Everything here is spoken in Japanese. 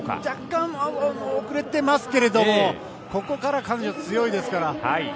若干遅れていますけれどもここからが彼女は強いですから。